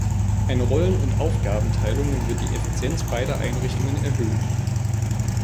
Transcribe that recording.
Eine Rollen- und Aufgabenteilung wird die Effizienz beider Einrichtungen erhöhen.